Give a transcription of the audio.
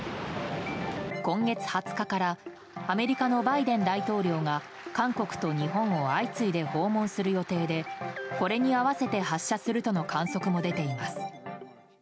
今月２０日からアメリカのバイデン大統領が韓国と日本を相次いで訪問する予定でこれに合わせて発射するとの観測も出ています。